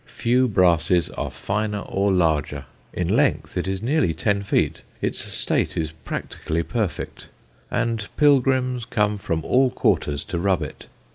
Few brasses are finer or larger; in length it is nearly ten feet, its state is practically perfect, and pilgrims come from all quarters to rub it.